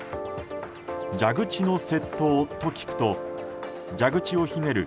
蛇口の窃盗と聞くと蛇口をひねる